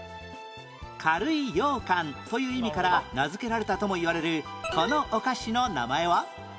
軽い羊羹という意味から名付けられたともいわれるこのお菓子の名前は？